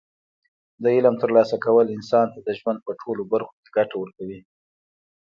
د علم ترلاسه کول انسان ته د ژوند په ټولو برخو کې ګټه ورکوي.